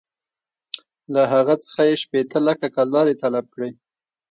له هغه څخه یې شپېته لکه کلدارې طلب کړې.